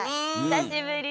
久しぶり。